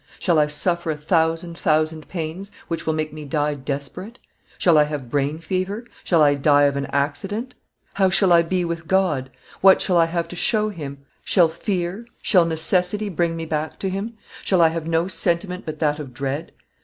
Shall I suffer a thousand, thousand pains, which will make me die desperate? Shall I have brain fever? Shall I die of an accident? How shall I be with God? What shall I have to show Him? Shall fear, shall necessity bring me back to Him? Shall I have no sentiment but that of dread?